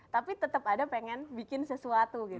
tapi tetap ada pengen bikin sesuatu gitu